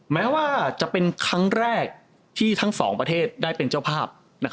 แม้ว่าจะเป็นครั้งแรกที่ทั้งสองประเทศได้เป็นเจ้าภาพ